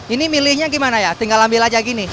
ini milihnya gimana ya tinggal ambil aja gini